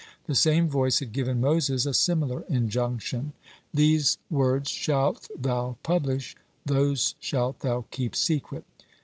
The same voice had given Moses a similar injunction: "These words shalt thou publish, those shalt thou keep secret."